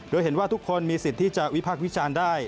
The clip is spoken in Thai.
โดยเห็นว่าทุกคนมีสิทธิ์ที่จะวิพากษ์วิจารณ์ได้